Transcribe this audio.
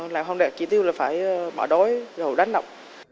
làm không đẹp kỳ tiêu là phải bỏ đói rồi đánh động